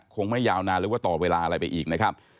คงไม่ยาวนานหรือว่าต่อเวลาอะไรไปอีกนะครับ